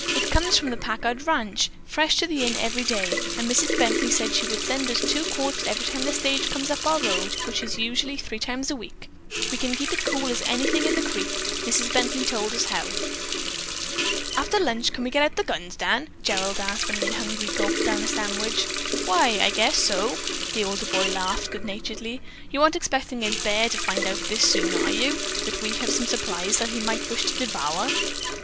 "It comes from the Packard ranch, fresh to the inn every day, and Mrs. Bently said she would send us two quarts every time the stage comes up our road, which usually is three times a week. We can keep it cool as anything in the creek. Mrs. Bently told us how." "After lunch can we get out the guns, Dan?" Gerald asked when he had hungrily gulped down a sandwich. "Why, I guess so," the older boy laughed good naturedly. "You aren't expecting a bear to find out this soon, are you, that we have some supplies that he might wish to devour?"